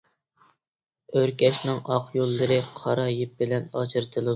ئۆركەشنىڭ ئاق يوللىرى قارا يىپ بىلەن ئاجرىتىلىدۇ.